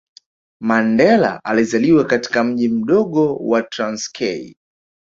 Mandela alizaliwa katika mji mdogo wa Transkei